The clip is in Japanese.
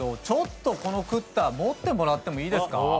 ちょっとこのＱＴＴＡ持ってもらってもいいですか？